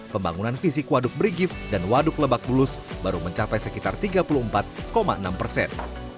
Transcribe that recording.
pembangunan fisik waduk berigif dan waduk lebak bulus baru mencapai sekitar tiga puluh empat enam persen